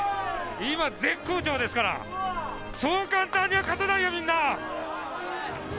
今絶好調ですから、そう簡単には勝てないよ、みんな！